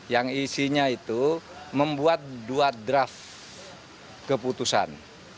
yang isinya itu membuat dua draft keputusan